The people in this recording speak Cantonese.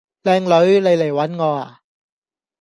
靚女，你嚟搵我呀